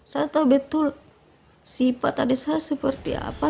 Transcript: saya tahu betul sifat adik saya seperti apa